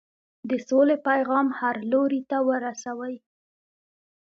د سولې پیغام هر لوري ته ورسوئ.